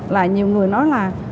là nhiều người nói là